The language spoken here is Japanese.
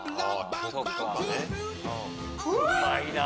うまいな！